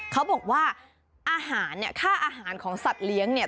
เขาบอกว่าอาหารเนี่ยค่าอาหารของสัตว์เลี้ยงเนี่ย